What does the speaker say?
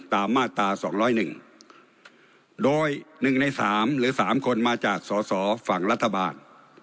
ตามมาตราสองร้อยหนึ่งโดยหนึ่งในสามหรือสามคนมาจากสอสอฝั่งรัฐบาล